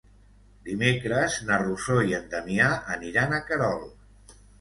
Dimecres na Rosó i en Damià aniran a Querol.